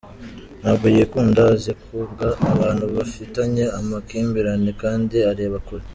Ntabwo yikunda , azi kunga abantu bafitanye amakimbirane kandi areba kure.